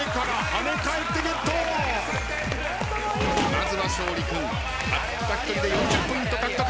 まずは勝利君たった一人で４０ポイント獲得。